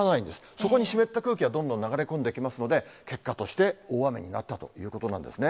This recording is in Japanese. そこに湿った空気がどんどん流れ込んできますので、結果として、大雨になったということなんですね。